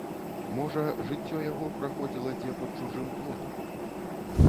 Можа, жыццё яго праходзіла дзе пад чужым плотам!